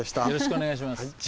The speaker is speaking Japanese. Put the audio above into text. よろしくお願いします。